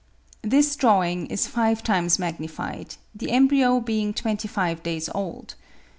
This drawing is five times magnified, the embryo being twenty five days old.